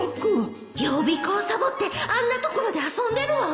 予備校サボってあんなところで遊んでるわ！